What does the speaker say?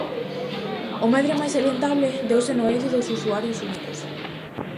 O medre máis salientable deuse no eido dos usuarios únicos.